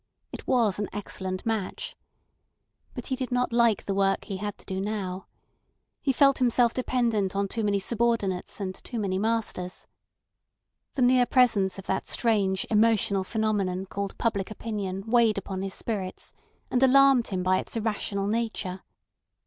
It was an excellent match. But he did not like the work he had to do now. He felt himself dependent on too many subordinates and too many masters. The near presence of that strange emotional phenomenon called public opinion weighed upon his spirits, and alarmed him by its irrational nature.